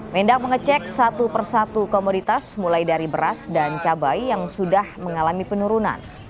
mendak mengecek satu persatu komoditas mulai dari beras dan cabai yang sudah mengalami penurunan